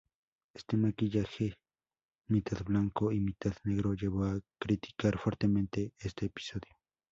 Este maquillaje mitad blanco y mitad negro llevó a criticar fuertemente este episodio.